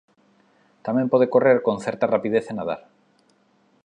Tamén pode correr con certa rapidez e nadar.